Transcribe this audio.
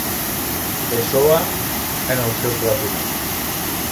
Pessoa en el seu propi nom.